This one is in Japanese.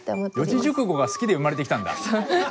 四字熟語が好きで生まれてきたんだ！